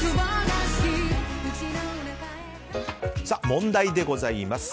問題でございます。